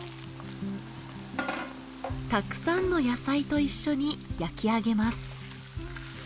たくさんの野菜と一緒に焼き上げます。